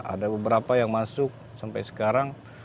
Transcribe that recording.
ada beberapa yang masuk sampai sekarang